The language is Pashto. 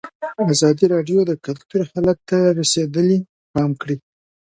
ازادي راډیو د کلتور حالت ته رسېدلي پام کړی.